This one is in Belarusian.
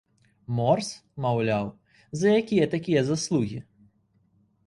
Морс, маўляў, за якія такія заслугі?